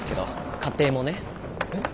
えっ？